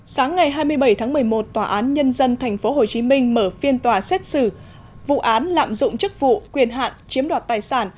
sáng ngày hai mươi bảy tháng một mươi một tòa án nhân dân tp hcm mở phiên tòa xét xử vụ án lạm dụng chức vụ quyền hạn chiếm đoạt tài sản